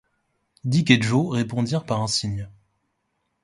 Dick et Joe répondirent par un signe.